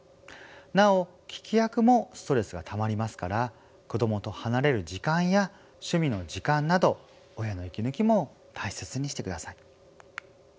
なお聞き役もストレスがたまりますから子どもと離れる時間や趣味の時間など親の息抜きも大切にしてください。